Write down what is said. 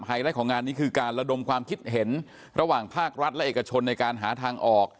ไลท์ของงานนี้คือการระดมความคิดเห็นระหว่างภาครัฐและเอกชนในการหาทางออก